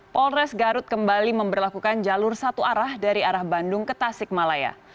polres garut kembali memperlakukan jalur satu arah dari arah bandung ke tasik malaya